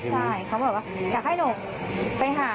ใช่เขาบอกว่าอยากให้หนูไปหา